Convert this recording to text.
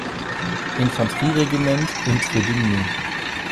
Infanterieregiment in Trebinje.